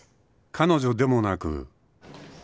［彼女でもなく］